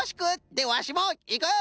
でわしもいく。